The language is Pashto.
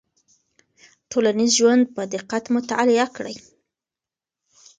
ټولنیز ژوند په دقت مطالعه کړئ.